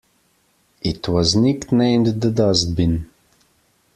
It was nicknamed the dustbin.